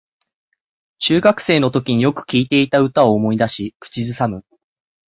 中学生のときによく聴いていた歌を思い出し口ずさむ